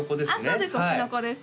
そうです「推しの子」です